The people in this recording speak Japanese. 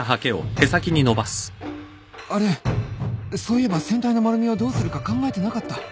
あれそういえば船体の丸みをどうするか考えてなかった